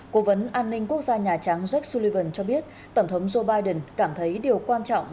cố vấn an ninh quốc gia nhà trắng jack sullivan cho biết tổng thống joe biden cảm thấy điều quan trọng